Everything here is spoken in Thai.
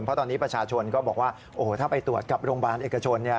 เพราะตอนนี้ประชาชนก็บอกว่าโอ้โหถ้าไปตรวจกับโรงพยาบาลเอกชนเนี่ย